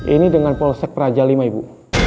ini dengan polsek raja lima ibu